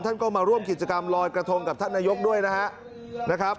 ท่านก็มาร่วมกิจกรรมลอยกระทงกับท่านนายกด้วยนะครับ